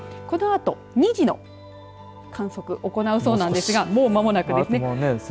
このあと２時の観測を行うそうなんですがこのあとですね。